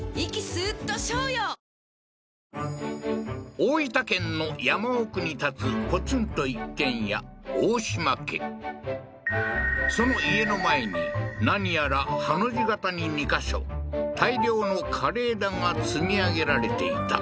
大分県の山奥に建つポツンと一軒家大島家その家の前に何やらハの字形に２か所大量の枯れ枝が積み上げられていた